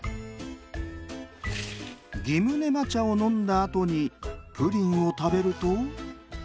ギムネマちゃをのんだあとにプリンをたべると。